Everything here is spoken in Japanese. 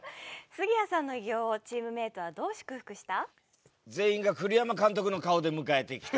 杉谷さんの偉業をチームメイトはどう祝福した？